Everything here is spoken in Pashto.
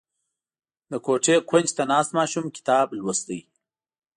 • د کوټې د کونج ته ناست ماشوم کتاب لوسته.